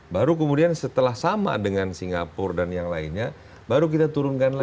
baru kemudian setelah sama dengan singapura dan yang lainnya baru kita turunkan lagi